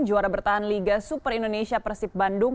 juara bertahan liga super indonesia persib bandung